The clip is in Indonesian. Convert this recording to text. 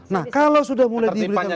nah kalau sudah mulai diberikan